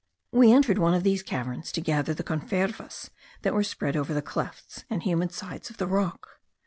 We entered one of these caverns to gather the confervas that were spread over the clefts and humid sides of the rock.